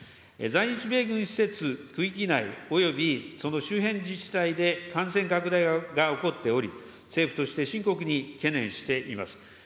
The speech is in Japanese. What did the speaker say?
在日米軍施設区域内およびその周辺自治体で感染拡大が起こっており、政府として深刻に懸念しています。